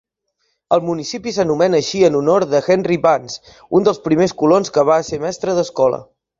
El municipi s'anomena així en honor de Henry Vance, un dels primers colons que va ser mestre d'escola.